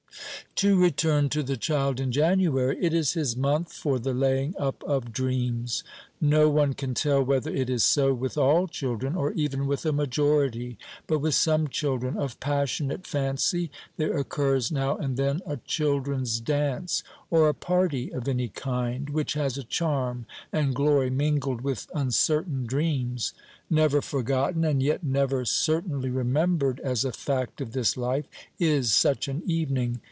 To return to the child in January. It is his month for the laying up of dreams. No one can tell whether it is so with all children, or even with a majority; but with some children, of passionate fancy, there occurs now and then a children's dance, or a party of any kind, which has a charm and glory mingled with uncertain dreams. Never forgotten, and yet never certainly remembered as a fact of this life, is such an evening.